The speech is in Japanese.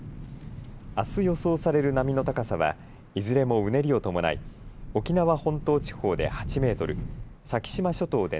あす予想される波の高さはいずれも、うねりを伴い沖縄本島地方で８メートル先島諸島で